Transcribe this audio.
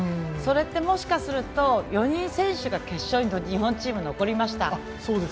それって、もしかすると４人、選手が決勝に日本チームは残りました。